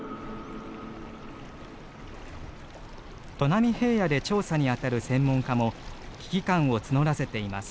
砺波平野で調査に当たる専門家も危機感を募らせています。